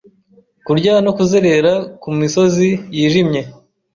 Kurya no kuzerera ku misozi yijimye